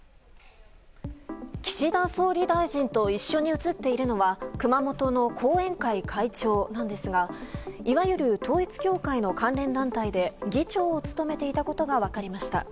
岸田総理大臣と一緒に写っているのは熊本の後援会会長なんですがいわゆる統一教会の関連団体で議長を務めていたことが分かりました。